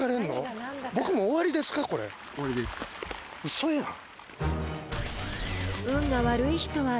嘘やん。